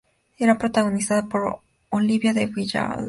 Está protagonizada por Olivia de Havilland, Gilbert Roland y Paul Scofield.